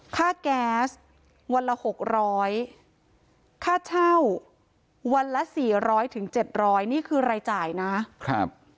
ค่าแก๊สวันละ๖๐๐ค่าเช่าวันละ๔๐๐๗๐๐นี่คือรายจ่ายนะ